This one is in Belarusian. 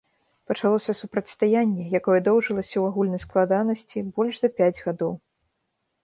Пачалося супрацьстаянне, якое доўжылася ў агульнай складанасці больш за пяць гадоў.